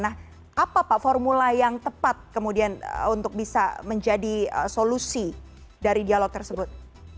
nah apa pak formula yang tepat kemudian untuk bisa menjadi solusi dari dialog tersebut